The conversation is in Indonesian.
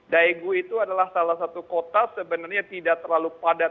daegu itu adalah salah satu kota sebenarnya tidak terlalu padat